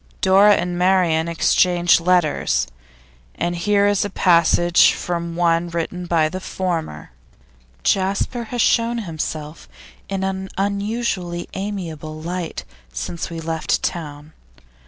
Dora and Marian exchanged letters, and here is a passage from one written by the former: 'Jasper has shown himself in an unusually amiable light since we left town.